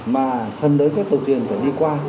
mà phần đối với tàu thuyền phải đi qua